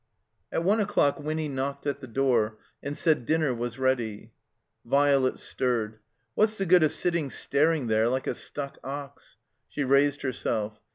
At one o'clock Winny knocked at the door and said dinner was ready. Violet stirred. "What's the good of sitting star ing there like a stuck ox?" She raised herself.